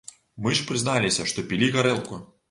Мы ж прызналіся, што пілі гарэлку!?